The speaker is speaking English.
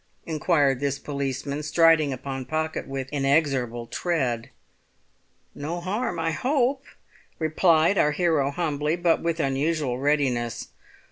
inquired this policeman, striding upon Pocket with inexorable tread. "No harm, I hope," replied our hero humbly, but with unusual readiness.